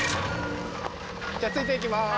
じゃあついていきまーす